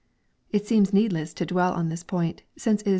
1 It seems needless to dwell on this point, since it is.